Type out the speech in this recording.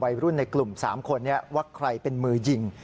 วัยรุ่นในกลุ่ม๓คนว่าใครเป็นมือยิง